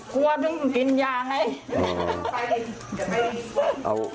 กลัวทึ่งหมากินยาไง